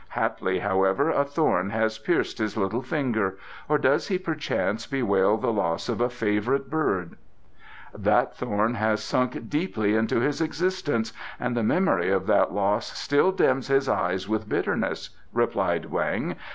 Haply, however, a thorn has pierced his little finger, or does he perchance bewail the loss of a favourite bird?" "That thorn has sunk deeply into his existence, and the memory of that loss still dims his eyes with bitterness," replied Weng.